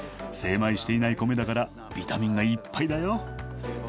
精米していない米だからビタミンがいっぱいだよ。